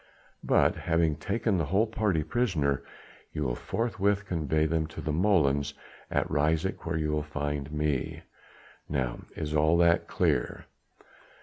But, having taken the whole party prisoner, you will forthwith convey them to the molens at Ryswyk, where you will find me. Now is all that clear?"